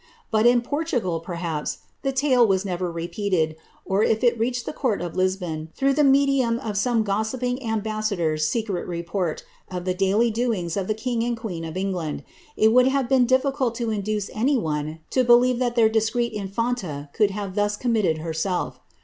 But in Portugal, perhaps, the tale was lever repeated ; or if it reached the court of Lisbon, through the medium if some gossipping ambassador's secret report of the daily doings of the iiag and queen of England, it would have been difficult to induce any Mie to believe that their discreet infanta could have thus committed her^ lelf.